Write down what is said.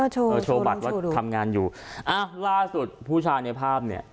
โชว์เออโชว์บัตรว่าทำงานอยู่อ่ะล่าสุดผู้ชายในภาพเนี่ย